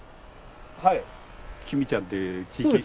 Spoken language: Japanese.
はい。